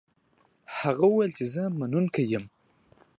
هغه وویل چې زه منونکی یم.